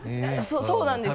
そうなんですよ。